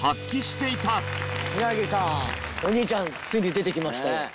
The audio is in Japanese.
宮城さんお兄ちゃんついに出てきましたよ。